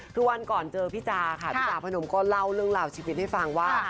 คือวันก่อนเจอพี่จาค่ะพี่จาพนมก็เล่าเรื่องราวชีวิตให้ฟังว่า